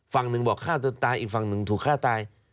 ฝั่งหนึ่งบอกฆ่าตัวตายอีกฝั่งหนึ่งถูกฆ่าตาย